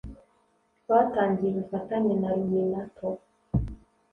twatangiye ubufatanye na luminato,